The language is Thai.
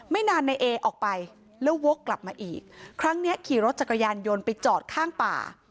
ไม่นานนายเอออกไปแล้ววกกลับมาอีกครั้งเนี้ยขี่รถจักรยานยนต์ไปจอดข้างป่า